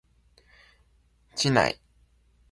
稚内